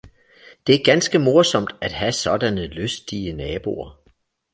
Det er ganske morsomt at have sådanne lystige naboer